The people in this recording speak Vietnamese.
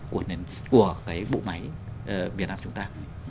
của cái bộ máy việt nam chúng ta